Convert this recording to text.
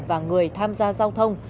và người tham gia giao thông